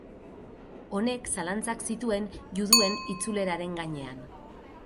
Honek zalantzak zituen juduen itzuleraren gainean.